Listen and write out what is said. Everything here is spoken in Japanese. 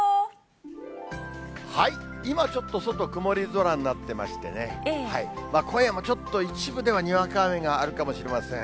今ちょっと外曇り空になってましてね、今夜もちょっと、一部ではにわか雨があるかもしれません。